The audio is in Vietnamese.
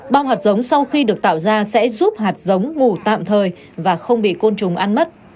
bom hạt giống sau khi được tạo ra sẽ giúp hạt giống ngủ tạm thời và không bị côn trùng ăn mất